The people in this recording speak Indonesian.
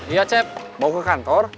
iya cep mau ke kantor